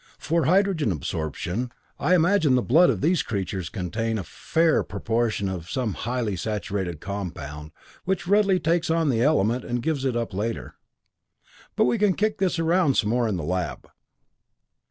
For hydrogen absorption, I imagine the blood of these creatures contains a fair proportion of some highly saturated compound, which readily takes on the element, and gives it up later. "But we can kick this around some more in the lab."